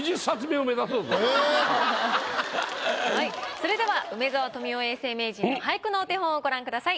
それでは梅沢富美男永世名人の俳句のお手本をご覧ください。